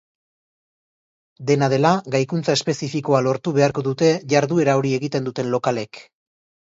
Dena dela, gaikuntza espezifikoa lortu beharko dute jarduera hori egiten duten lokalek.